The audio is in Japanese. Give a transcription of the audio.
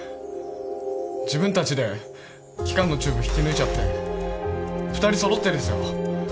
自分たちで気管のチューブ引き抜いちゃって二人そろってですよ？